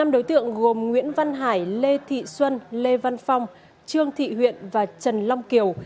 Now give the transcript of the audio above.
năm đối tượng gồm nguyễn văn hải lê thị xuân lê văn phong trương thị huyện và trần long kiều